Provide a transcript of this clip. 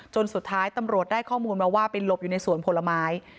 สุดท้ายตำรวจได้ข้อมูลมาว่าไปหลบอยู่ในสวนผลไม้